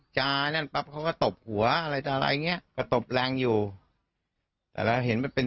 จอดรถหน่อยเดียวเค้าก็มาลักเลงใสเลย